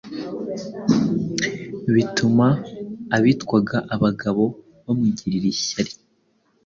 bituma abitwaga abagabo bamugirira ishyari